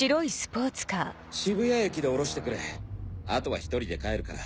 渋谷駅で降ろしてくれ後は１人で帰るから。